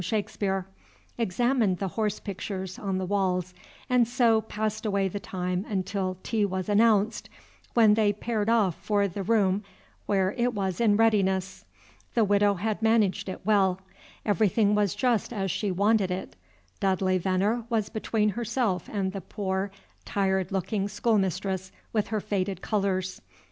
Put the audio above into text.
Shakespeare, examined the horse pictures on the walls, and so passed away the time until tea was announced, when they paired off for the room where it was in readiness. The Widow had managed it well; everything was just as she wanted it. Dudley Veneer was between herself and the poor tired looking schoolmistress with her faded colors.